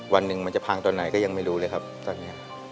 วันหนึ่งมันจะพังตอนไหนก็ยังไม่รู้เลยครับตอนนี้